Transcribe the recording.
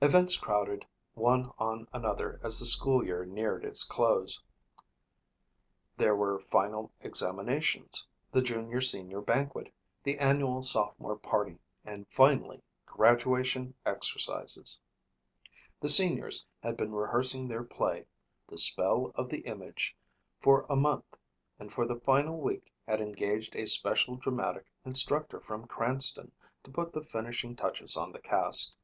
Events crowded one on another as the school year neared its close. There were final examinations, the junior senior banquet, the annual sophomore party and finally, graduation exercises. The seniors had been rehearsing their play, "The Spell of the Image," for a month and for the final week had engaged a special dramatic instructor from Cranston to put the finishing touches on the cast.